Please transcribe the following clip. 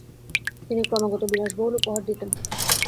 তিনি ক্রমাগত বিলাসবহুল উপহার দিতেন।